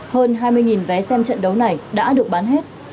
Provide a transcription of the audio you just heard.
hơn hai mươi vé xem trận đấu này đã được bán hết